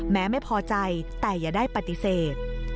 แม้ไม่พอใจแต่อย่าได้ปฏิเสธ